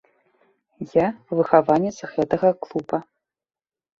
Я выхаванец гэтага клуба.